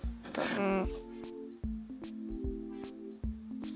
うん。